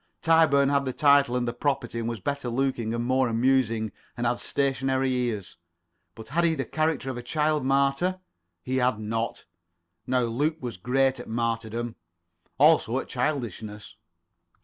Tyburn had the title and the property, and was better looking and more amusing, and had stationary ears. But had he the character of a child martyr? He had not. Now Luke was great at martyrdom; also at childishness.